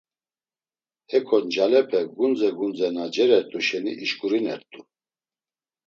Heko ncalepe gundze gundze na cerert̆u şeni işǩurinert̆u.